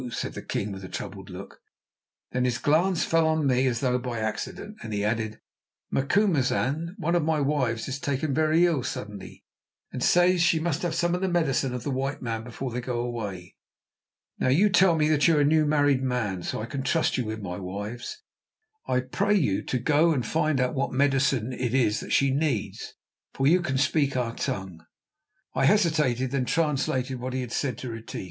said the king with a troubled look. Then his glance fell on me as though by accident, and he added: "Macumazahn, one of my wives is taken very ill suddenly, and says she must have some of the medicine of the white men before they go away. Now, you tell me that you are a new married man, so I can trust you with my wives. I pray you to go and find out what medicine it is that she needs, for you can speak our tongue." I hesitated, then translated what he had said to Retief.